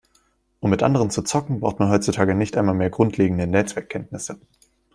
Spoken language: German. Um mit anderen zu zocken, braucht man heutzutage nicht einmal mehr grundlegende Netzwerkkenntnisse.